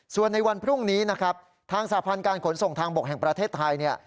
ส่วนในวันพรุ่งนี้นะครับทางสาพันธ์การขนส่งทางบกแห่งประเทศไทยเนี่ย